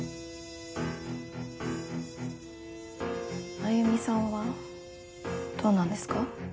繭美さんはどうなんですか？